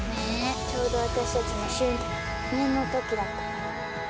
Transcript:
ちょうど私たちの周年の時だった。